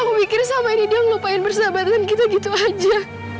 aku pikir selama ini dia ngelupain bersahabatan kita gitu aja